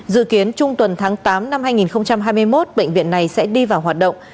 dự kiến trung tuần tháng tám năm hai nghìn hai mươi một bệnh viện này sẽ đi vào hoạt động